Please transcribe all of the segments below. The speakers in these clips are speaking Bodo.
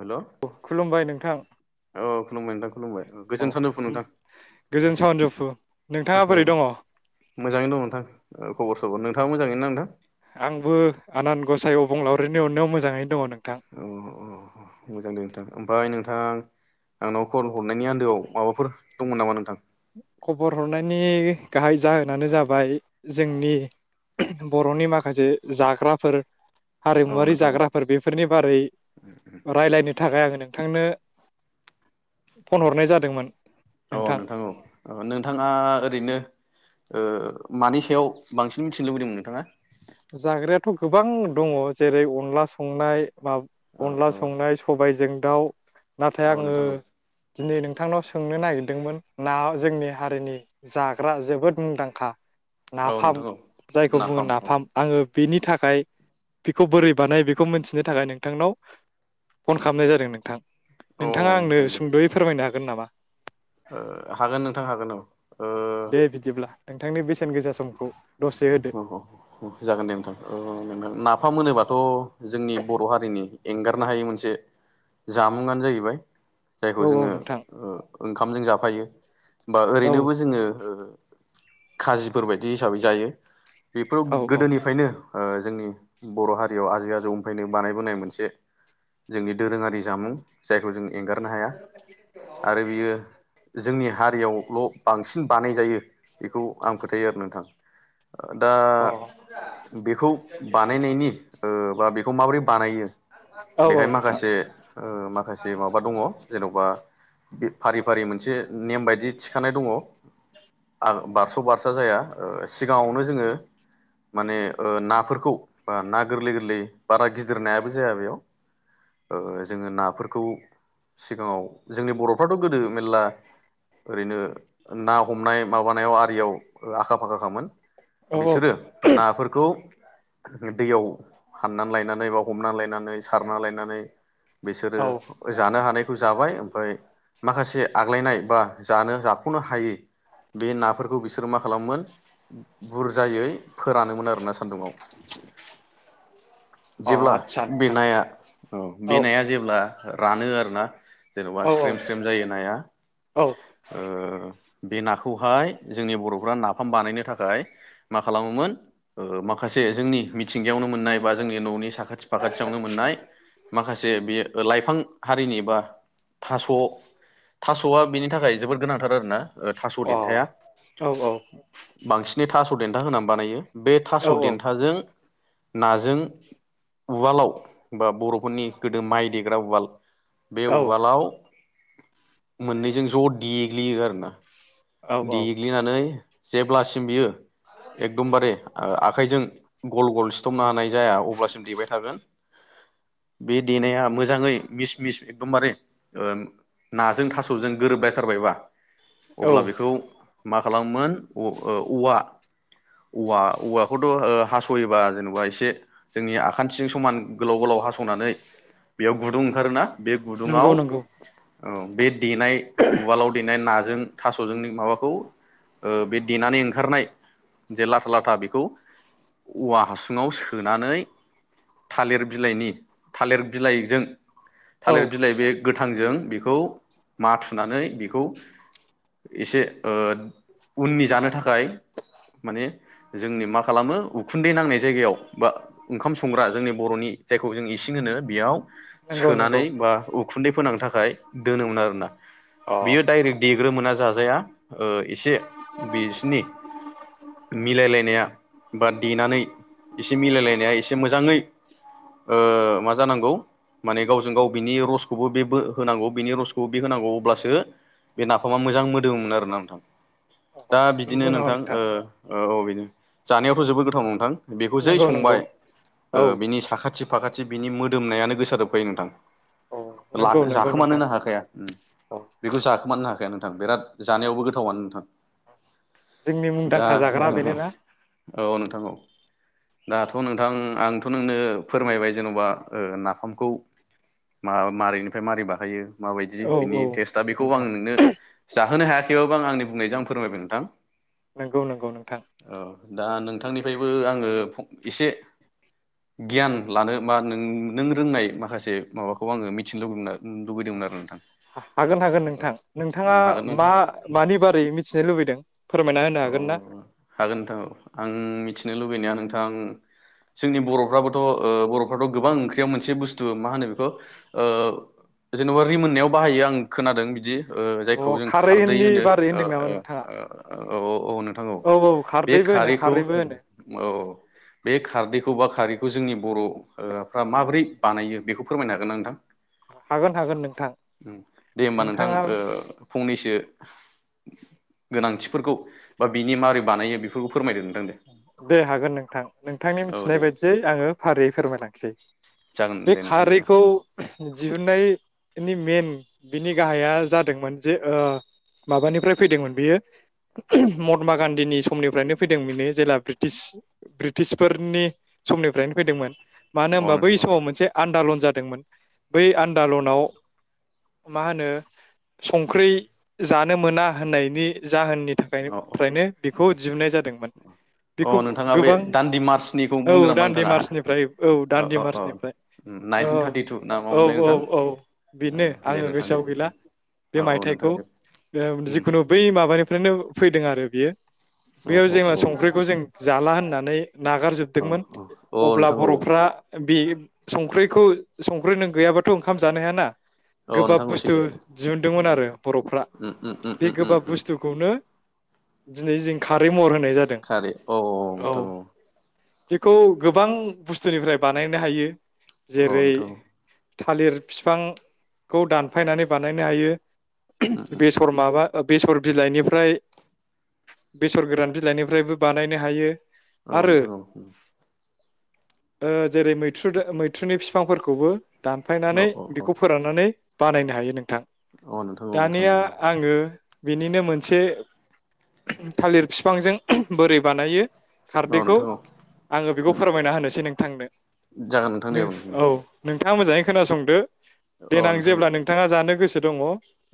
हेल' औ खुलुमबाय नोंथां खुलुमबाय नोंथां खुुलुमबाय अ गोजोन सानजौफु नोंथां गोजोन सानजौफु नोंथाङा औ बोरै दङ? मोजाङैनो दङ नोंथां औ खबर सबर नोंथाङा मोजाङै ना नोंथां? आंबो आनान गसाइ अबंलावरिनि अननायाव मोजाङै अ अ मोजां नोंथां ओमफ्राय नों थां आंनाव कल हरनायनि आन्दोआव माबाफोर दंमोन नामा नोंथां? खबर हरनायनि गाहाय जाहोनानो जाबाय जोंनि बरनि माखासे जाग्राफोर औ हारिमुवारि नोंथां औ जाग्राफोर बेफोरनि बारै रायलायनो थाखाय आङो नोंथांनो फन हरनाय जादोंमोन। औ आं नोंथां औ। अ नोंथाङा ओरैनो ओ मानि सायाव बांसिन मिथिनो लुबैदोंमोन नोंथाङा? जाग्रायाथ गोबां दङ जेरै अनला संनाय मा औ अनला औ संनाय सबायजों दाउ नाथाय औ आङो नोंथां औ दिनै नोंथांनाव सोंनो नागिरदोंमोन ना जोंनि हारिनि जाग्रा जोबोद मुंदांखा औ नाफाम नोंथां औ जायखौ बुङो नाफाम। बेनि थाखाय बेखौ बोरै बानाय बेखौ मिथिनो थाखाय नोंथांनाव फन खालामनाय जादों नोंथां औ नोंथाङा आंनो नोंथां दे सुंदयै फोरमायनो हा गोन नामा? ओ हागोन नोंथां हागोन औ ओ दे बिदिब्ला नोंथांनि बेसेन गोसा समखौ दसे होदो ह ह ह जागोन दे ओ नोंथां नाफाम मोनोबाथ जोंनि बर हारिनि एंगारनो हायै मोनसे जामुं आनो जाहैबाय। औ जायखौ औ जोङो नोंथां ओ ओंखामजों जाफायो। बा औ ओरैनोबो जोङो ओ खाजिफोरबायायदि हिसाबै जायो। बेफोराव औ गोदोनिफ्रायनो ओ जोंनि बर हारियाव आजै आजौ निमफ्रायायनो बानायबोनाय मोनसे जोंनि दोरोङारि जामुं जायखौ जों एंगारनो हाया आरो बियो जोंनि हारियावल बांसिन बानायजायो बेखौ आं फोथायो आरो नोंथां। दा अ बेखौ बानायनायनि ओ बा बे खौ माबोरै बानायो औ औ बेहाय नोंथां माखासे ओ माखासे माबा दङ जेनबा फारि फारि मोनसे नेम बायदि थिखानाय दङ आ बारस बारसा जाया ओ सिगाङावनो जोङो माने ओ नाफोरखौ ओ ना गोरलै गोरलै बारा गिदिरनायाबो जाया बेयाव ओ जोङो नाफोरखौ सिगाङाव जोंनि बरफ्राथ गोदो मेरला ओरैनो ना हमनाय माबानायाव आरियाव ओ आखा फाखाखामोन। औ बिसोरो नाफोरखौ दैयाव हाननानै लायनानै बा हमनानै लायनानै सारना लायनानै बिसोरो औ जानो हानायखौ जाबाय ओमफ्राय माखासे आग्लायनाय बा जानो जाख'नो हायै बे नाफोरखौ बिसोरो मा खालामोमोन बुरजायै फोरानोमोन आरोना सान्दुंङाव अ जेब्ला आदसा बे नोंथां नाया औ बेनाया जेब्ला रानो आरो ना जेनबा औ औ स्रेम स्रेम जायो नाया औ अ ओ बे नाखौहाय जोंनि बर' फोरा नाफाम बानायनो थाख मा खालामोमोन ओ माखासे जोंनि मिथिंगायावनो मोननाय बा जोंनि ननि साख खाथि फाखाथियावनो मोननाय माखासे बेयो ओ लाइफां हारिनि बा थास' था स'आ बेनि थाखाय जोबोद गोनांथार आरो ना। ओ थास' औ देन्थाया औ बांसिनै थास' देन्था होनानै बानायो। बे थास' देन्थाजों नाजों उवालाव बा बर'फोरनि गोदो माइ देग्रा उवाल बे औ उवालाव मोननैजों ज' देग्लियो आरो ना। औ औ देग्लिनानै जेब्लासिम बेयो एकदमबारे ओ आखाइजों गल गल सिथबनो हानाय जाया अब्लासिम देबाय थागोन। बे देनाया मोज जाङै मिस मिस एकदमबारे ओ नाजों थास'जों गोरोब लायथारबायबा औ अब्ला बेखौ मा खालामोन अ' ओ औवा औवा औवाखौथ' ओ हासयोबा जेनेबा एसे जोंनि आखान्थिजों समान गोलाव गोलाव हासनानै बेयाव गुदुं ओंखारोना बे गुदुङाव नंगौ नंगौ ओ बे देनाय उवालाव देनाय नाज जों थासजों माबाखौ ओ देनानै ओंखारनाय जे लाथा लाथा बेखौ औवा हासुङाव सोनानै थालिर बिलाइनि थालिर बिलाइजों औ थालिर बिलाइ बे गोथांजों बेखौ माथुनानै बेखौ एसे ओ उननि जानो थाखाय माने जोंनि मा खालामो उखुन्दै नांनाय जायगायाव बा ओंखाम संग्रा जोंनि बर'नि जायखौ जों इसिं होनो बेयाव नंगौ नंगौ सोनानै बा उखुन्दै फोनांनो थाखा खाय दोनोमोन आरो ना। अ बियो दाइरेक्ट देग्रोमोना जा जाया ओ इस बिसनि मिलायलायनाया बा देनानै एसे मिलायलायनाया एसे मोजाङै ओ मा जानांगौ माने गावजों गाव बिनि रसखौबो बे होनांगौ बिनि रसखौबो बे होनांगौ अब्लासो बे नाफामा मोजां मोदोममोन आरोना नोंथां। दा बिदिनो नंगौ नामा नोंथां ओ अ औ बि जानायावथ' जोबोद गोथाव नोंथां। बेखौ जै नंगौ नंगौ संबाय औ ओ बिनि साखाथि फाखा थि बिनि मोदोमनायानो गोसाजोबखायो नोंथां औ नंगौ लाखो नंगौ नोंथां जाखोमानोना हाखाया औ बेखौ जाखो। खोमानोनो हाखाया नोंथां बिराद जानायावबो गोथावआनो नोंथां जोंनि मुंदांखा जाग्रा बेनोना औ औ नोंथां औ दाथ' नोंथां आंथ' नोंनो फोरमायबाय जेन'बा ओ नाफामखौ मा-मारैनिफ्राय मारै बानायो। माबायदि औ औ बिनि टेस्टआ बेखौ आं नोंथां नोंनो जा थांनो हायाखैबाबो आं आंनि बुंनायजों आं फोरमायबाय नोंथां नंगौ नंगौ नोंथां औ दा नोंथांनिफ्रायबो आङो एसे गियान लानो बा नों-नों रोंनाय माखासे माबाखौ आङो मिथिनो लुबैदों आरो लुबैदोंमोन हागोन हागोन नोंथां नोंथाङा मा मानि बारै मिथि र हागोन नोंथां आं मिथिनो लुबैनाया नोंथा थां जोंनि बर'फ्राबोथ' ओ बर'फ्राथ' गोबां ओंख्रियाव मोनसे बुस्थु मा होनो बेखौ ओ जेन'बा रिमोननायाव बाहायो आं खोनादों बिदि ओ अ जायखौ जों खारदै खारैनि होनो बारै ओ होनदों नामा ओ नोंथाङा आ औ औ नोंथां औ बे खारदैबो होनो खारैखौ खारैबो होनो औ बे खारदै दौबा खारिैखौ जोंनि बर'ओ फ्रा माबोरै बानायो बेखौ फोरमायनो हागोन ना नोंथां? हागोन हागोन नोंथां हुम दे होमबा नोंथां नोंथाङा ओ फंनैसो [unintelligible] गोनांथिफोरखौ बा बिनि मारै बानायो बेफोरखौ फोरमायदो नोंथां दे दे हागोन नोंथां नोंथांनि औ मिथिनाय दे बायदियै आंङो फारियै फोरमायलांसै जागोन बे दे नोंथां दे औ खारैखौ दिहुनायनि मेन। बिनि गाहाया जादोंमोन जे ओ माबानिफ्राय फैदोंमोन बियो मत्मा गान्दिनि। समनिफ्रायनो फैदों मिनि जेला ब्रिटिश ब्रिटिशफोरनि समनिफ्रायनो फैदोंमोन। मानो औ होनबा बै नोंथां औ समाव मोनसे आन्दलन जा। दोंमान बै आन्दलनाव मा होनो संख्रि जानो मोना होननायनि। जाहोननि थाखायनो औ औ फ्रायनो बे। बहुद दिहुननाय जादों। अ बेखौ नोंथाङा बे गोबां दान्दि मार्चनिखौ औ बुंदों नामा दान्दि नोंथाङा मार्चनिफ्राय औ अ दान्दि अ अ मार्चनिफ्राय नाइनटिन थार्टिटु ना औ औ मामोनलाय औ नोंथां औ बेनो दे आंङो नोंथां दे गोसोआव गैला औ बे औ नोंथां मायथाइखौ दे जिखुनु बै माबानिफ्रायनो फैदों आरो बियो। अ बेयाव अ जोङो अ। संख्रिखौ जों जाला होननानै। औ नागारजोबदोंमोन औ अब्ला नोंथां औ बर'फ्रा बे। संख्रिखौ। संख्रि नों गैयाबाथ' ओंखाम। जानो हाया ना। औ गोबाब नोंथां औ बुस्थु सैथो दिहुनदोंमोन आरो बर'फ्रा उम उम उम बे उम उम गोबाब उम बुस्थुखौनो। दिनै जों खारै महर होनाय। जादों खारै औ औ औ‌ नोंथां औ। बेखौ गोबां बुस्थुनिफ्राय बानायनो हायो। औ जेरै। नोंथां औ थालिर फिफांखौ दानफायनानै बानायनो हायो। उम [unintelligible] उम उम बेसर माबा? बेसर बिलाइनिफ्राय बेसर गोरान बिलाइनिफ्रायबो। बानायनो हायो। औ आरो नोंथां औ ओम। ओ जेरै मैथ्रु मैथ्रुनि फिफांफोरखौबो। दानफायनानै औ औ बेखौ फोराननानै। बानायनो हायो नों। थां औ नोंथां औ नोंथां औ दानिया आंङो। बिनिनो मोनसे थालिर फिफांजों बोरै बानायो। औ खारदैखौ नोंथां औ आंङो बेखौ फोरमायना होनोसै नोंथांनो जागोन नोंथां दे नों औ नों। थाङा मोजाङै खोनासंदो। देनां नोंथां दे जेब्ला नोंथाङा जानो गोसो दङ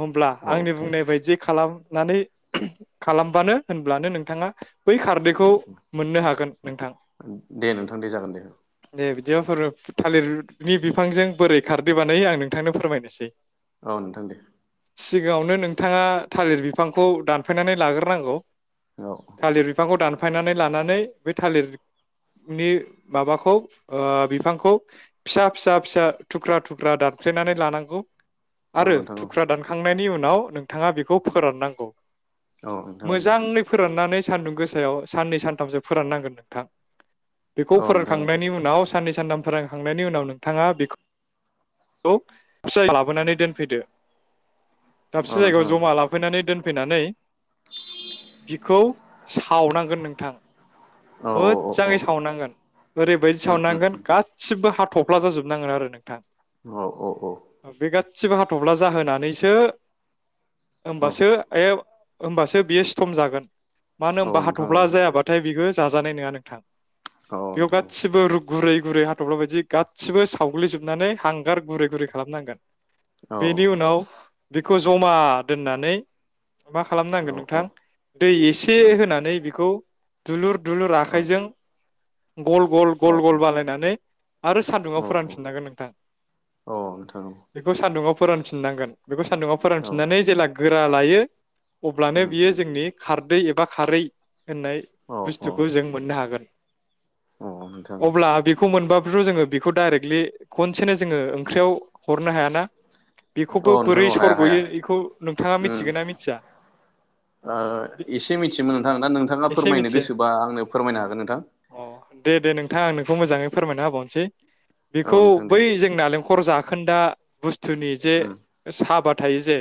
होब्ला औ आंनि नोंथां दे बुंनाय बायदि खालामनानै खालामबानो होनब्लानो नोंथाङा बै खारदैखौ औ नोंथां मोननो हागोन नोंथां दे नोंथां दे जागोन दे दे बि बिदिफोर थालिरनि बिफांजों बोरै खारदै बानायो आं नोंथांनो फोरमायनोसै औ नोंथां दे सिगाङावनो नोंथाङा थालिर बिफांखौ दानफायनानै लाग्रो नांगौ औ थालिर बिफांखौ दानफायनानै लानानै बे थालिरनि माबाखौ बिफांखौ फिसा फिसा-फिसा थुख्रा थुख्रा दानफ्लेनानै लानांगौ औ आरो नोंथां थुख्रा औ दानखां नायनि उनाव नोंथाङा बेखौ फोरान नांगौ औ नोंथां रानानै सानदुं गोसायाव साननै सानथामसो फोराननांगोन नोंथां बेखौ औ नोंथां फोरोंखांनायनि उनाव साननै सानथाम फोरोंखांनायनि उनाव नोंथाङा बे फिस लाबोनानै दोनफैदो दाबसे औ नोंथां जायगायाव जमा औ लाफैनानै दोन फैनानै बिखौ सावनांगोन नोंथां औ औ औ मोजाङै सावनांगोन ओरैबायदि उम उम सावनांगोन उम गासिबो ह थफ्ला जाजोबनांगोन आरो नोंथां औ औ-औ गासैबो हाथब्ला जाहोनानैसो औ हानबासो होमबासो बेयो सिथम जागोन मानो होनबा औ नोंथां हाथफ्ला औ जायाबाथाय बेखौ जाजानाय नङा नोंथां औ बेयाव नोंथां गासिबो रु गुरै गुरै हाथ'ल्फा बायदि गासिबो सावग्लिजोबनानै हांगार गुरै गुरै खालामनांगोन औ बेनि उनाव बेखौ जमा दोननानै मा औ खालामनांगोन नोंथां दै एसे होनानै खौ दुलुर। दुलुर आखाइजों। गल गल औ गल गल बानायनानै। आरो सान्दुङाव औ फोरानफिननांगोन नोंथां औ नोंथां बेखौ सान्दुङाव। फोरानफिननांगोन। बेखौ सान्दुंआव औ फोरानफिननानै जेला। गोरा लायो। अब्लानो उम बियो उम जोंनि खार दै ए बा खारै। होननाय औ औ बुस्थुखौ जों मोननो हागोन औ नोंथां अब्ला बेखौ मोनबा। [unintelligible] जोङो बेखौ डाइरेक्टलि खनसेनो जोङो ओंख्रियाव हरनो हायाना। औ बेखौबो नोंथां बोरै औ हाया हाया सरग'यो इखौ नोंथाङा उम मिथिगोन ना मिथिया? थियोमोन नोंथां दा नोंथाङा एसे फोरमायनो मिथियो गोसोबा आंनो फोरमायनो हागोन नोंथां। अ दे दे नोंथां आं नोंखौ मोजाङै फोरमायना होबावसै। औ बेखौ नोंथां दे बै जों नालें खर जाखोन्दा बुस थुनि जे साहा बाद। थायो जे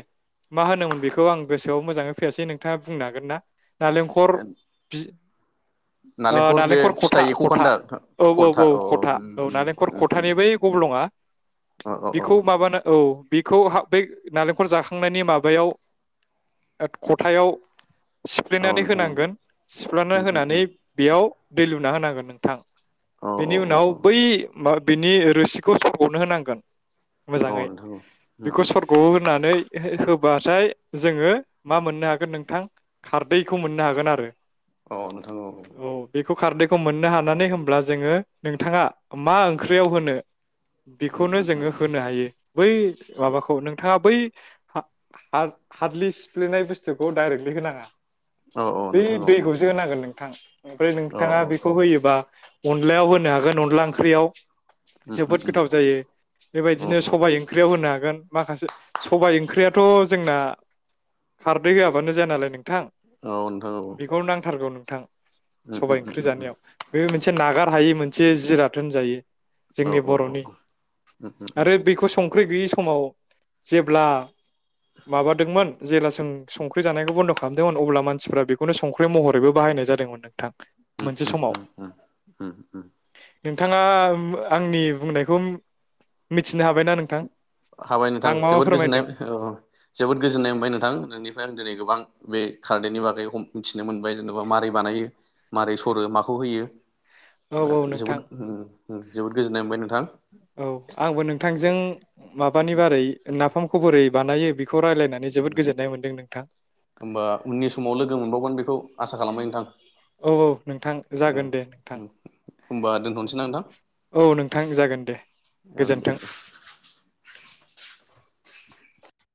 मा होनोमोन बेखौ आं गोसोआव मोजाङै फैयासै नोंथाङा बुंनो हागोन ना? नालेंखर उम बि ओ बे नालेंखर फिथाइ खथा एखौ खथा खोन्दा औ औ औ खथा औ नालेंखर खथानि बै गब्लंआ औ औ बेखौ माबानो औ। बेखौ हा बै नालेंखर जाखांनायनि माबायाव ओ खथायाव। औ सिफ्लेनानै नोंथां होनांगोन सिफ्लेना होनानै बेयाव। दै लुना होनांगोन नोंथां। औ बेनि औ उनाव औ बै। मा बिनि रोसिखौ सरब'नो होनांगोन। औ मोजाङै नोंथां औ बेखौ सरग' होनानै। हो-होबाथाय। जोङो मा मोननो हागोन नोंथां। खारदैखौ मोननो हागोन आरो। अ नोथां औ औ। खारदैखौ मोननो हानानै होनब्ला जोङो नोंथाङा मा ओंख्रियाव होनो। बेखौनो जोङो होनो हायो बै माबाखौ नोंथाङा बै। हादलि सिफ्लेनाय बस्थुखौ डाइरेक्टलि होनाङा। औ औ बै नोंथां औ औ दैखौसो होनांगोन नों। [inaudible] ओमफ्राय औ नोंथाङा बेखौ होयोबा। अनलायाव होनो हागोन अनला ओंख्रियाव। जोबोद गोथाव जायो बेबायदिनो सबाइ ओंख्रियाव होनो हागोन। माखासे सबाइ ओंख्रियाथ' जोंना खारदै होयाबानो जाया नालाय नों थ [inaudible] औ नोंथां। थां। सबाय ओंख्रि जानायाव बे मोनसे नागार हायै मोनसे जिराथ होनजायो। जोंनि बर'नि आरो बेखौ संख्रि गैयि। समाव जेब्ला माबादोंमोन। जेब्ला जों संख्रि जानायखौ बन्द' खालाम। खालामदोंमोन अब्ला मानसिफ्रा बेखौनो संख्रि महरैबो बाहायनाय जादोंमोन नोंथां। मोनसे समाव। औ औ नोंथाङा आंनि बुंनायखौ मिथिनो हाबायना नोंथां। हाबाय नोंथां आं मा मा जोबोद गोजोननाय फोरमायदों जोबोद गोजोननाय मोनबाय नोंथां नोंनि आं दिनै गोबां बे खारदैनि बागै मिथिनो मोनबाय जेनेबा मारै बानायो। माबोरै सरो माखौ होयो औ औ जोबोद नोंथां जोबोर गोजोननाय मोनबाय नों औ आंबो नोंथांजों माबानि बारै ना खौ बोरै बानायो। बेखौ रायलायनानै जोबोद गोजोननाय मोनदों नोंथां होमबा उननि समाव लोगो मोनबावगोन बेखौ आसा खालामबाय नोंथां। औ औ नोंथां जागोन दे नोंथां होमबा दोनथ'नोसै ना नोंथां औ नोंथां जागोन दे औ दे गोजोन्थों।